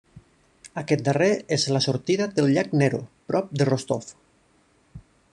Aquest darrer és la sortida del llac Nero, prop de Rostov.